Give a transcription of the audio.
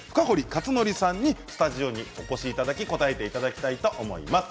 勝謙さんにスタジオにお越しいただき答えていただきたいと思います。